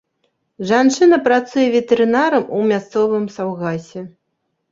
Жанчына працуе ветэрынарам у мясцовым саўгасе.